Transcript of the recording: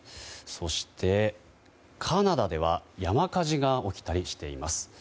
そして、カナダでは山火事が起きたりしています。